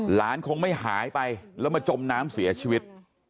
คงไม่หายไปแล้วมาจมน้ำเสียชีวิต